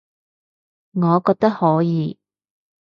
我覺得可以